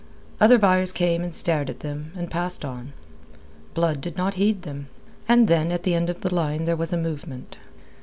Other buyers came and stared at them, and passed on. Blood did not heed them. And then at the end of the line there was a movement.